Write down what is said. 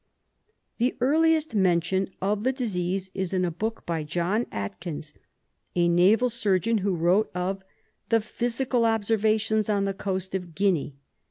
The earliest mention of the disease is in a book by John Atkins, a N'aval Surgeon, who wrote of the "physical observations on the coast of Guiney."